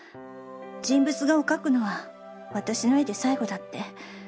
人物画を描くのは私の絵で最後だって。